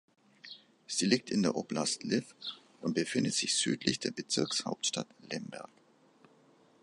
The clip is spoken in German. Sie liegt in der Oblast Lwiw und befindet sich südlich der Bezirkshauptstadt Lemberg.